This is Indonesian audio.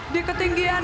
di ketinggian seribu feet